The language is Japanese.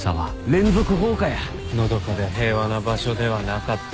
「連続放火や」「のどかで平和な場所ではなかった」